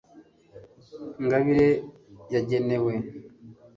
ngabire yagenewe